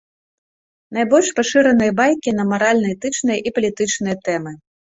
Найбольш пашыраныя байкі на маральна-этычныя і палітычныя тэмы.